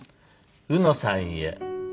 「うのさんへ」